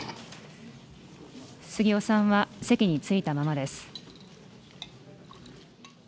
杉尾さんは席に着いたままです。